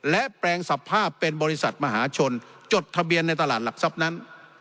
และแปลงสภาพเป็นบริษัทมหาชนจดทะเบียนในตลาดหลักทรัพย์นั้น